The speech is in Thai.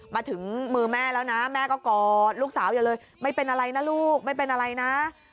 มาถึงมือแม่แล้วนะแม่ก็กอดลูกสาวอย่าเลยไม่เป็นอะไรนะลูกไม่เป็นอะไรนะ